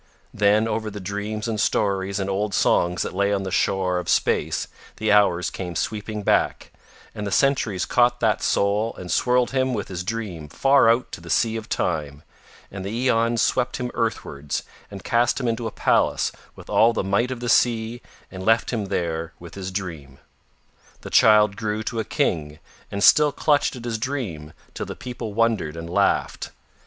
Then over the dreams and stories and old songs that lay on the shore of space the hours came sweeping back, and the centuries caught that soul and swirled him with his dream far out to the Sea of Time, and the aeons swept him earthwards and cast him into a palace with all the might of the sea and left him there with his dream. The child grew to a King and still clutched at his dream till the people wondered and laughed.